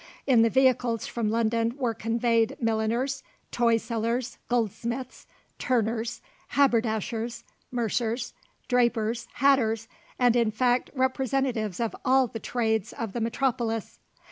In the vehicles from London were conveyed milliners, toy sellers, goldsmiths, turners, haberdashers, mercers, drapers, hatters, and in fact representatives of all the trades of the metropolis.